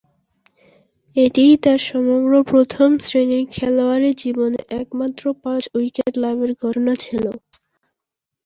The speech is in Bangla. এটিই তার সমগ্র প্রথম-শ্রেণীর খেলোয়াড়ী জীবনে একমাত্র পাঁচ-উইকেট লাভের ঘটনা ছিল।